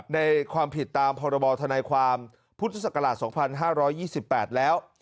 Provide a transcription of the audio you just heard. ในความผิดตามพรธนายความพศ๒๕๒๘แล้ว